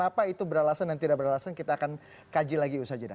apa itu beralasan dan tidak beralasan kita akan kaji lagi usaha jeda